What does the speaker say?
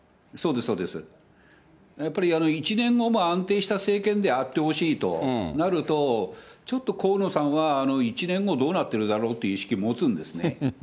やっぱり１年後も安定した政権であってほしいとなると、ちょっと河野さんは１年後どうなってるだろうという意識持つんですね。